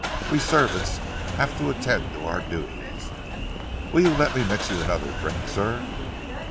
We servants have to attend to our duties. Will you let me mix you another drink, sir?"